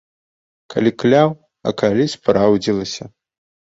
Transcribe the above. Калі кляў, а калі спраўдзілася.